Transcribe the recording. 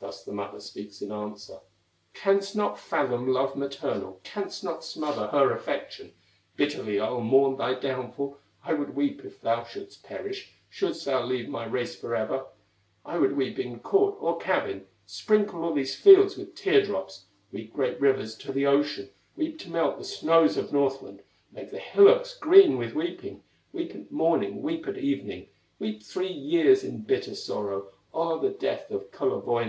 Thus the mother speaks in answer: "Canst not fathom love maternal, Canst not smother her affection; Bitterly I'll mourn thy downfall, I would weep if thou shouldst perish, Shouldst thou leave my race forever; I would weep in court or cabin, Sprinkle all these fields with tear drops, Weep great rivers to the ocean, Weep to melt the snows of Northland, Make the hillocks green with weeping, Weep at morning, weep at evening, Weep three years in bitter sorrow O'er the death of Kullerwoinen!"